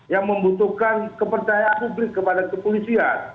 yang membutuhkan kepercayaan publik kepada kepolisian